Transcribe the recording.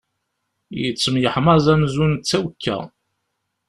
Yettemyeḥmaẓ amzun d tawekka.